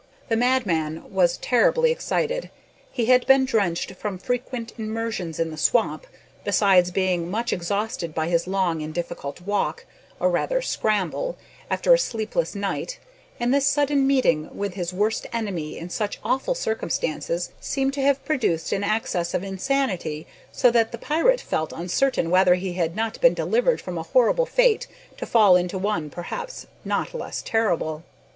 The madman was terribly excited. He had been drenched from frequent immersions in the swamp, besides being much exhausted by his long and difficult walk, or rather, scramble, after a sleepless night; and this sudden meeting with his worst enemy in such awful circumstances seemed to have produced an access of insanity, so that the pirate felt uncertain whether he had not been delivered from a horrible fate to fall into one perhaps not less terrible.